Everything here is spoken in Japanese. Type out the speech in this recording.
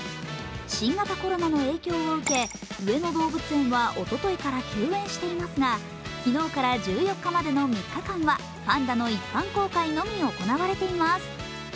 新型コロナの影響を受け、上野動物園はおとといから休園していますが、昨日から１４日までの３日間はパンダの一般公開のみ行われています。